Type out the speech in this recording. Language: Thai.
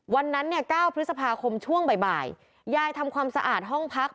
วันนั้นเนี่ย๙พฤษภาคมช่วงบ่ายยายทำความสะอาดห้องพัก